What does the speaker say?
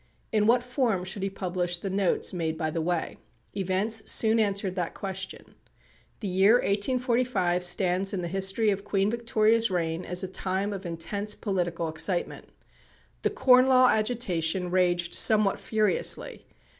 In what form should he publish the notes made by the way? Events soon answered that question. The year 1845 stands in the history of Queen Victoria's reign as a time of intense political excitement. The Corn Law agitation raged somewhat furiously.